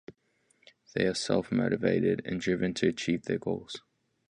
They are self-motivated and driven to achieve their goals.